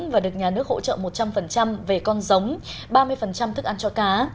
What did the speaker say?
và được nhà nước hỗ trợ một trăm linh về con giống ba mươi thức ăn cho cá